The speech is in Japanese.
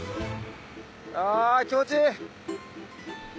あ気持ちいい！